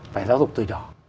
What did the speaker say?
phải giáo dục từ nhỏ